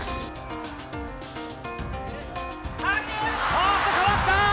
ああっと、変わった！